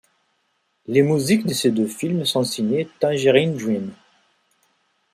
Les musiques de ces deux films sont signées Tangerine Dream.